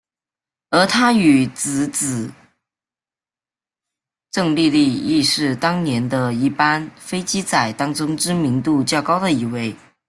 而他与姊姊郑丽丽亦是当年的一班飞机仔当中知名度较高的一位。